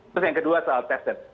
terus yang kedua soal testing